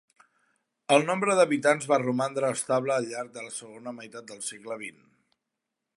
El nombre d'habitants va romandre estable al llarg de la segona meitat del segle XX.